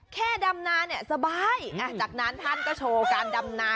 แค่ดำนาเนี่ยสบายจากนั้นท่านก็โชว์การดำนา